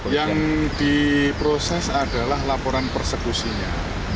yang diproses adalah laporan persekusinya